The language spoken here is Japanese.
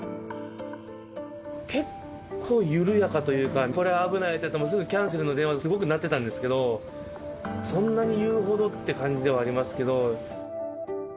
結構緩やかというか、これは危ないとなったら、すぐキャンセルの電話がすごく鳴ってたんですけど、そんなに言うほどっていう感じではありますけど。